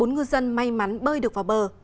bốn ngư dân may mắn bơi được vào bờ